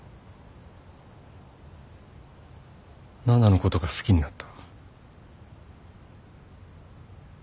奈々のことが好きになった。